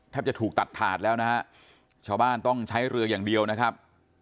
จะถูกตัดถาดแล้วนะฮะชาวบ้านต้องใช้เรืออย่างเดียวนะครับ